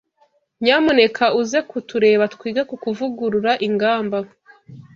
Nyamuneka uze kutureba twige kukuvugurura ingamba